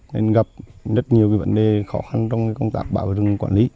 nên gặp rất nhiều vấn đề khó khăn trong công tác bảo vệ rừng quản lý